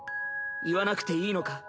言わなくていいのか？